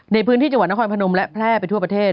ในพื้นที่จังหวัดนครพนมและแพร่ไปทั่วประเทศ